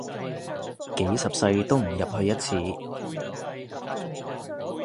幾十世都唔入去一次